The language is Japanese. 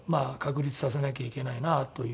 確立させなきゃいけないなという。